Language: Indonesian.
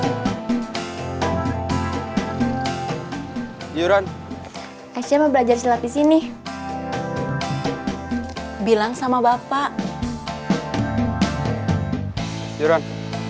hai yuran sma belajar silat di sini bilang sama bapak yuran